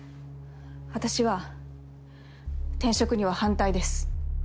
私は転職には反対です。